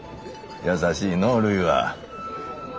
優しいのうるいは。